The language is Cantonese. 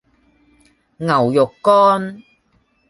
牛肉乾